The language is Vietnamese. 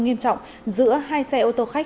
nghiêm trọng giữa hai xe ô tô khách